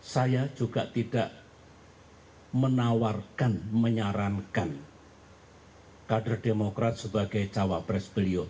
saya juga tidak menawarkan menyarankan kader demokrat sebagai cawapres beliau